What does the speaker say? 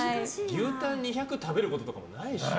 牛タン２００食べることとかないでしょ。